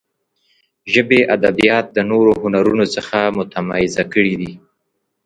ژبې ادبیات د نورو هنرونو څخه متمایزه کړي دي.